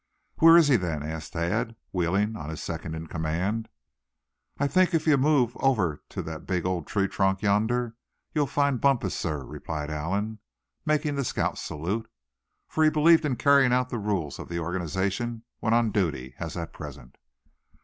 "Where is he, then?" asked Thad, wheeling on his second in command. "I think if you move over to that big old tree trunk yonder, you'll find Bumpus, sir," replied Allan, making the scout salute; for he believed in carrying out the rules of the organization when on duty, as at present.